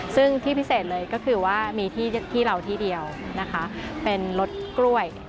ซึ่งที่พิเศษเลยก็คือว่ามีที่เราที่เดียวนะคะเป็นรสกล้วย